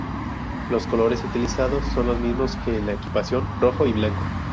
Los colores utilizados son los mismos que en la equipación: rojo y blanco.